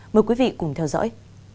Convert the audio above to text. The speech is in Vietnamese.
mời quý vị cùng theo dõi